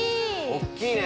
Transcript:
大きいね！